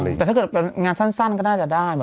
แต่ถ้าเกิดเป็นงานสั้นก็น่าจะได้